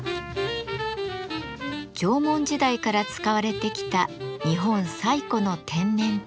縄文時代から使われてきた日本最古の天然塗料漆。